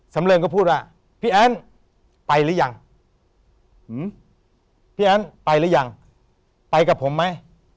เริงก็พูดว่าพี่แอ้นไปหรือยังพี่แอ้นไปหรือยังไปกับผมไหม